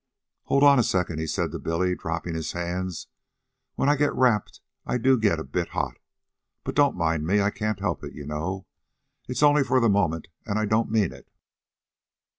"Hold on a second," he said to Billy, dropping his hands. "When I get rapped I do get a bit hot. But don't mind me. I can't help it, you know. It's only for the moment, and I don't mean it."